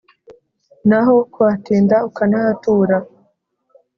n’aho kuhatinda ukanahatura